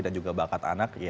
dan juga bakat anak